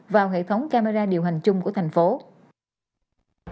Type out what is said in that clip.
vào hệ thống camera điều hành chung của tp hcm